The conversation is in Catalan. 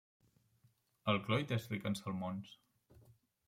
El Clwyd és ric en salmons.